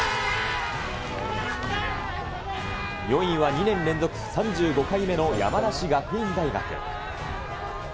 ４位は２年連続３５回目の山梨学院大学。